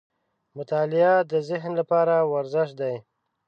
• مطالعه د ذهن لپاره ورزش دی.